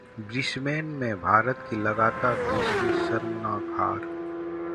Brisbane में भारत की लगातार दूसरी शर्मनाक हार